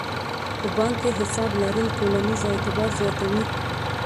په بانک کې حساب لرل ټولنیز اعتبار زیاتوي.